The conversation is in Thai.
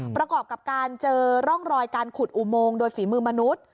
ประกอบกับการเจอร่องรอยการขุดอุโมงโดยฝีมือมนุษย์